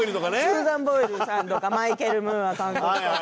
スーザン・ボイルさんとかマイケル・ムーア監督とか。